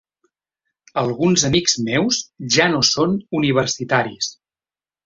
Alguns amics meus ja no són universitaris.